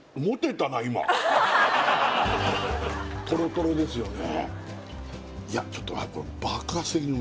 トロトロですよね